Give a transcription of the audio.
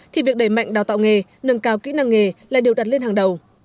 thì việc đẩy mạnh đào tạo nghề nâng cao kỹ năng nghề là điều đặt lên hàng đầu